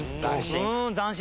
斬新。